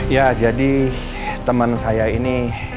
ya jadi teman saya ini